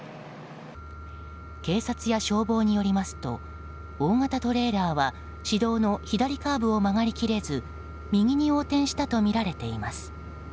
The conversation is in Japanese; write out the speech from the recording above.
警察や消防によりますと大型トレーラーは市道の左カーブを曲がり切れず右に横転したとみられています。